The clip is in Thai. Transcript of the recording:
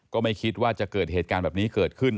ก็ไม่คิดว่าจะเกิดเหตุการณ์แบบนี้เกิดขึ้น